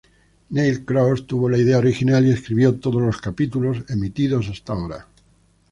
Neil Cross tuvo la idea original y escribió todos los capítulos emitidos hasta ahora.